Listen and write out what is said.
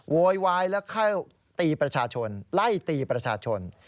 โวยวายและเข้าตีประชาชนไล่ตีประชาชน